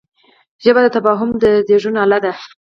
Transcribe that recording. ژبه د تفاهم د زېږون اله ده